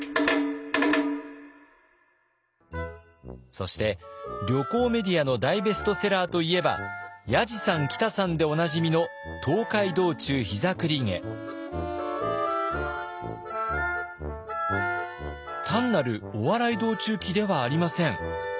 そして旅行メディアの大ベストセラーといえばやじさんきたさんでおなじみの単なるお笑い道中記ではありません。